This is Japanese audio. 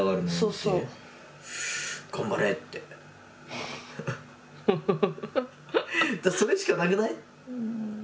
それしかなくない？